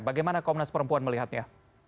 bagaimana komnas perempuan melihatnya